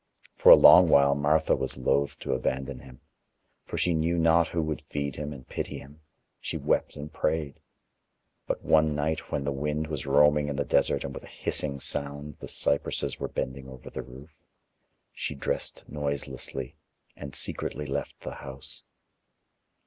For a long while Martha was loath to abandon him, for she knew not who would feed him and pity him, she wept and prayed. But one night, when the wind was roaming in the desert and with a hissing sound the cypresses were bending over the roof, she dressed noiselessly and secretly left the house.